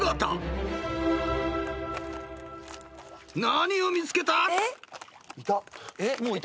［何を見つけた？］